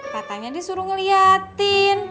katanya disuruh ngeliatin